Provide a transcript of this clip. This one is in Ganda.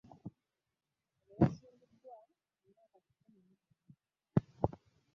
Ono yasibiddwa emyaka kikumi mu gumu